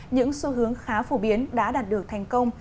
những xu hướng khá phổ biến đã đạt được thành công